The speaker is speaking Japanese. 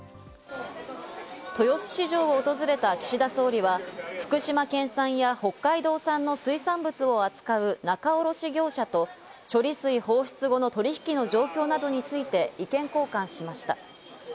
豊洲市場を訪れた岸田総理は、福島県産や北海道産の水産物を扱う仲卸業者と処理水放出後の取引の状況などについて意見交換しました。